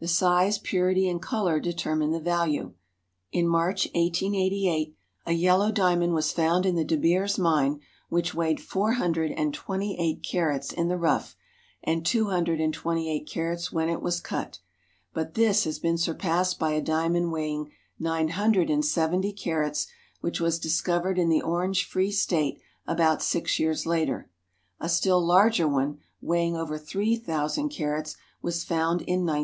The size, purity, ^H four % and color determine the value. In March, 1888, a yellow diamond was found in the De Beers mine which weighed four hundred and twenty eight carats in the rough, and two hundred and twenty eight carats when it was cut; but this has been sur passed by a dia mond weighing nine hundred and seventy carats, which was discov ered in the Or ange Free State about six years later. A still larger one, weighing over three thou sand carats, was found in 1905.